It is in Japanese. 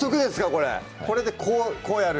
これこれでこうやる？